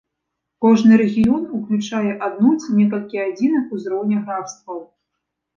Кожны рэгіён уключае адну ці некалькі адзінак узроўня графстваў.